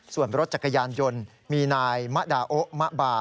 ส่วนรถจักรยานยนต์มีนายมะดาโอมะบา